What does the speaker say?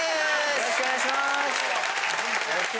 よろしくお願いします！